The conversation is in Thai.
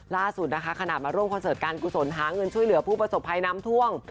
ล่าสุดนะคะขณะมาร่วมคอนเสิร์ตการกุศลหาเงินช่วยเหลือผู้ประสบภัยน้ำท่วม